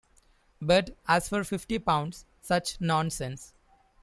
But as for fifty pounds — such nonsense!